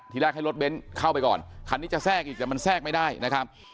แรกให้รถเบ้นเข้าไปก่อนคันนี้จะแทรกอีกแต่มันแทรกไม่ได้นะครับ